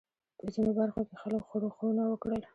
په ځینو برخو کې خلکو ښورښونه وکړل.